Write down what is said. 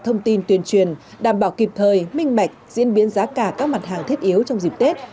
thông tin tuyên truyền đảm bảo kịp thời minh bạch diễn biến giá cả các mặt hàng thiết yếu trong dịp tết